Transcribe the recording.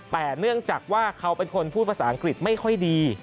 แต่เนื่องจากว่าเขาเป็นคนพูดภาษาอังกฤษไม่ค่อยดี